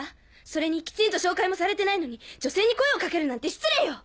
それにきちんと紹介もされてないのに女性に声をかけるなんて失礼よ！